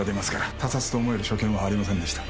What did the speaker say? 他殺と思える所見はありませんでした。